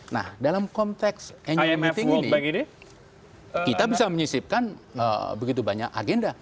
nah dalam konteks annual meeting ini kita bisa menyisipkan begitu banyak agenda